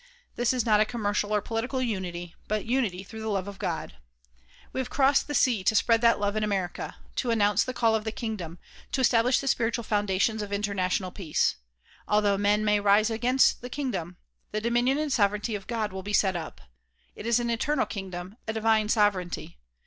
This is not a com mercial or political unity, but unity through the love of God, We have crossed the sea to spread that love in America ; to announce the call of the kingdom ; to establish the spiritual foundations of international peace. Although men may arise against the kingdom, the dominion and sovereignty of God will be set up. It is an eternal kingdom, a divine sovereignty.